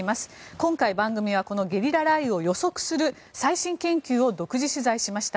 今回、番組はこのゲリラ雷雨を予測する最新研究を独自取材しました。